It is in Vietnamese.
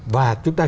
và chúng ta